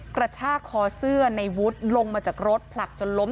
กระชากคอเสื้อในวุฒิลงมาจากรถผลักจนล้ม